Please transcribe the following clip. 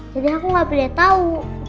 jadi aku gak boleh tahu